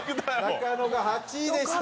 中野が８位でした。